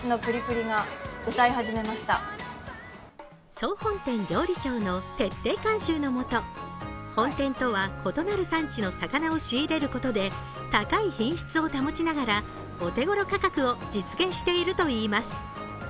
総本店料理長の徹底監修の下、本店とは異なる産地の魚を仕入れることで高い品質を保ちながらお手頃価格を実現しているといいます。